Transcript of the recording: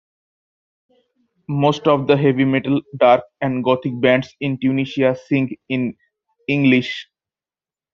Most of the heavy metal, dark and Gothic bands in Tunisia sing in English.